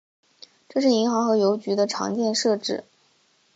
这是银行和邮局的常见设置。